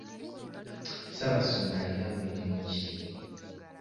Ssaabasumba alina mirimu ki?